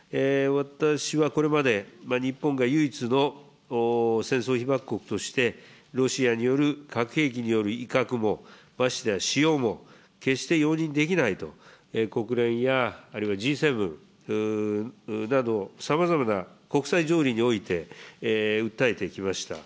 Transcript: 私はこれまで、日本が唯一の戦争被爆国として、ロシアによる核兵器による威嚇も、ましてや使用も決して容認できないと、国連やあるいはＧ７など、さまざまな国際条理において、訴えてきました。